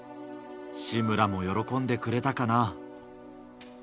志村も喜んでくれたかな。